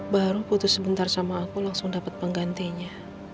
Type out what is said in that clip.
baru putus sebentar sama aku langsung dapat penggantinya